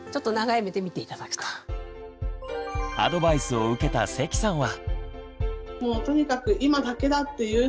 アドバイスを受けた関さんは。